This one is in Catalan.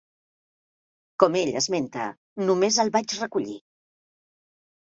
Com ell esmenta, només el vaig recollir.